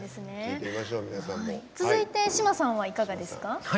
続いて志磨さんはいかがですか？